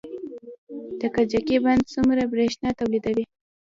د کجکي بند څومره بریښنا تولیدوي؟